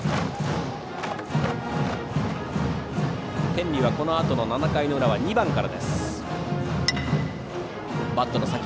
天理はこのあとの７回の裏は２番からです。